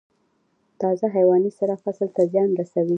تازه حیواني سره فصل ته زیان رسوي؟